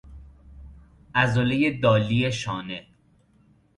عضله دالی شانه